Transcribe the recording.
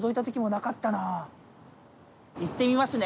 いってみますね。